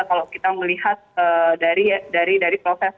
kalau kita melihat dari proses